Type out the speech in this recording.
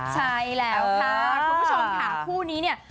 ใช่แล้วค่ะคุณผู้ชมค่ะคู่นี้เนี่ย